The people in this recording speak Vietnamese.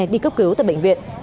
đi cấp cứu tại bệnh viện